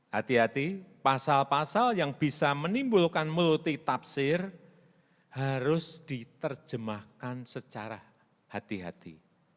hati hati pasal pasal yang bisa menimbulkan multi tafsir harus diterjemahkan secara hati hati